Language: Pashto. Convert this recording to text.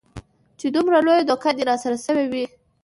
چې دومره لويه دوکه دې راسره سوې وي.